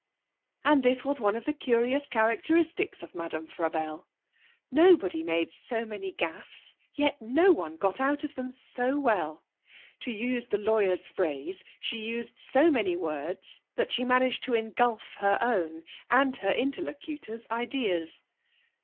And this was one of the curious characteristics of Madame Frabelle. Nobody made so many gaffes, yet no one got out of them so well. To use the lawyer's phrase, she used so many words that she managed to engulf her own and her interlocutor's ideas.